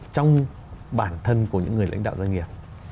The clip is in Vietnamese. trong bản thân của những người lãnh đạo doanh nghiệp